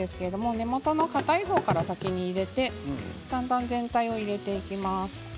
根元のかたい方から先に入れてそのあと全体を入れていきます。